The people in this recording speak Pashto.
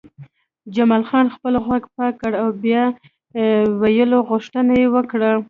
جمال خان خپل غوږ پاک کړ او د بیا ویلو غوښتنه یې وکړه